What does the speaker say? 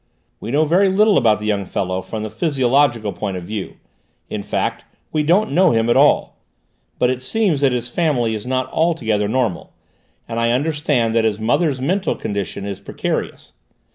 We know very little about the young fellow from the physiological point of view; in fact we don't know him at all; but it seems that his family is not altogether normal, and I understand that his mother's mental condition is precarious.